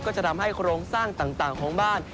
จะทำให้โครงสร้างต่างของบ้าน